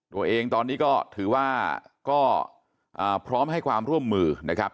ตัวเองตอนนี้ก็ถือว่าก็พร้อมให้ความร่วมมือนะครับ